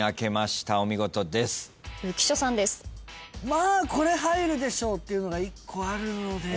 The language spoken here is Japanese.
まあこれ入るでしょうっていうのが１個あるので。